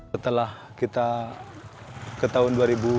setelah kita ke tahun dua ribu sebelas